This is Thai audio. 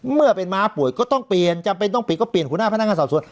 เมื่อเป็นม้าป่วยก็ต้องเปลี่ยนจำเป็นต้องปิดก็เปลี่ยนหัวหน้าพนักงานสอบสวน